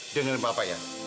jangan lupa pak ya